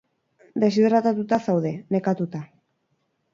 Deshidratatuta zaude, nekatuta.